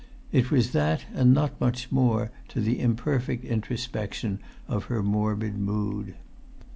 It was that and not much more to the imperfect introspection of her morbid mood.